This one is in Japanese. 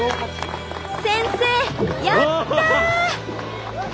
先生やった！